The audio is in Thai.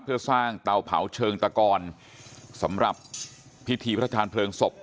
เพื่อสร้างเตาเผาเชิงตะกอนสำหรับพิธีพระทานเพลิงศพ